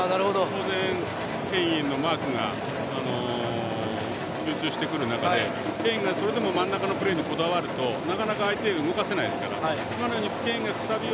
当然、ケインへのマークが集中してくる中でケインがそれでも真ん中のプレーにこだわると空いて動かせないですから。